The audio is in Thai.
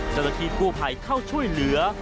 เจ้าหน้าที่กู้ภัยเข้าช่วยเหลือ